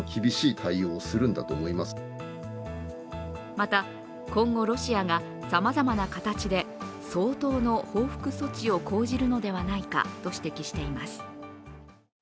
また、今後ロシアがさまざまな形で相当の報復措置を講じるのではないかと指摘しています。